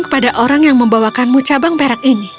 kepada orang yang membawakanmu cabang perak ini